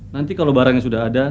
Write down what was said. nanti kalau barangnya sudah ada